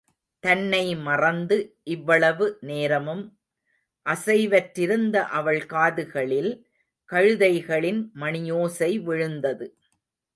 தன்னை மறந்து இவ்வளவு நேரமும் அசைவற்றிருந்த அவள் காதுகளில் கழுதைகளின் மணியோசை விழுந்தது.